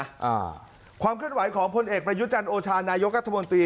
อ่าความเคลื่อนไหวของพลเอกประยุจันทร์โอชานายกรัฐมนตรี